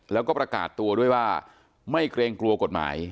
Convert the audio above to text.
แล้วก็ประกาศตัวด้วยว่าไม่เกรงกลัวกฎหมาย